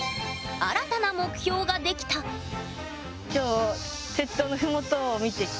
新たな目標ができた！ハハハ。